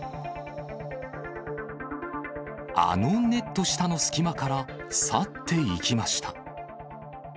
あのネット下の隙間から去っていきました。